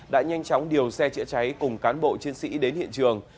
đã nhanh chóng điều xe chữa cháy cùng cán bộ chiến sĩ đến hiện trường